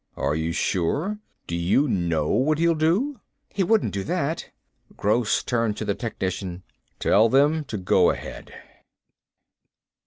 "Are you sure? Do you know what he'll do?" "He wouldn't do that." Gross turned to the technician. "Tell them to go ahead."